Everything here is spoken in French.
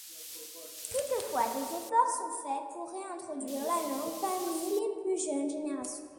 Toutefois, des efforts sont faits pour réintroduire la langue parmi les plus jeunes générations.